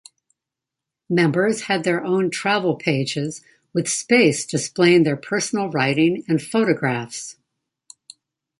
Members had their own travel pages with space displaying their personal writing and photographs.